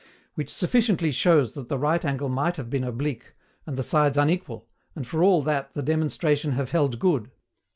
Which sufficiently shows that the right angle might have been oblique, and the sides unequal, and for all that the demonstration have held good.